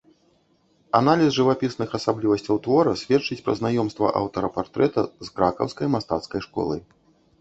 Аналіз жывапісных асаблівасцяў твора сведчыць пра знаёмства аўтара партрэта з кракаўскай мастацкай школай.